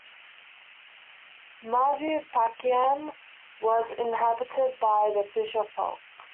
Maruvurpakkam was inhabited by the fisher folk.